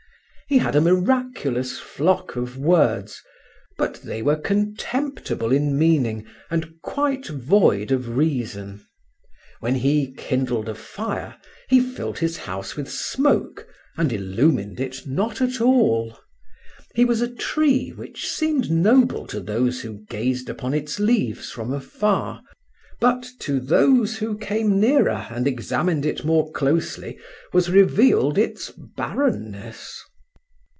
He had a miraculous flock of words, but they were contemptible in meaning and quite void of reason. When he kindled a fire, he filled his house with smoke and illumined it not at all. He was a tree which seemed noble to those who gazed upon its leaves from afar, but to those who came nearer and examined it more closely was revealed its barrenness.